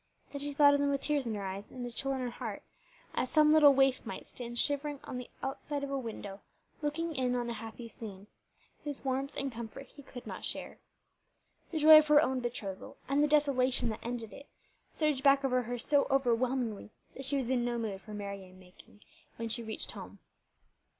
Then she thought of them with tears in her eyes and a chill in her heart, as some little waif might stand shivering on the outside of a window, looking in on a happy scene, whose warmth and comfort he could not share. The joy of her own betrothal, and the desolation that ended it, surged back over her so overwhelmingly that she was in no mood for merry making when she reached home.